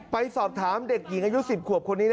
ไปสอบถามเด็กหญิงอายุ๑๐ขวบคนนี้